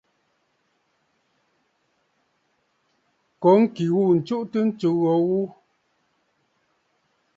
Kó ŋkì ghû ǹtsuʼutə ntsù gho gho.